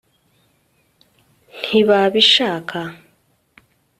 ntibabishaka